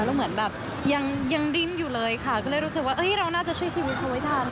แล้วเหมือนแบบยังดิ้นอยู่เลยค่ะก็เลยรู้สึกว่าเราน่าจะช่วยชีวิตเขาไว้ทัน